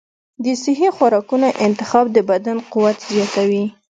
د صحي خوراکونو انتخاب د بدن قوت زیاتوي.